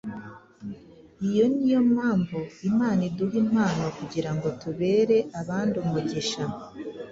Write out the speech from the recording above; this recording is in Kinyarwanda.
Iyo ni yo mpamvu Imana iduha impano kugira ngo tubere abandi umugisha.